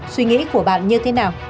suy nghĩ của bạn như thế nào